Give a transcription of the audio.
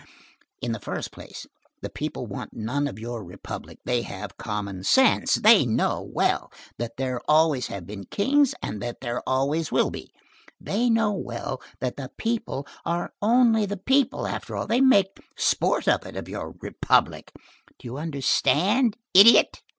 In the first place, the people want none of your republic, they have common sense, they know well that there always have been kings, and that there always will be; they know well that the people are only the people, after all, they make sport of it, of your republic—do you understand, idiot?